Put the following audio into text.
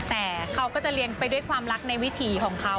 แต่เขาก็จะเรียนไปด้วยความรักในวิถีของเขา